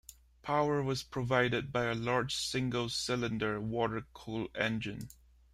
Power was provided by a large single-cylinder water-cooled engine.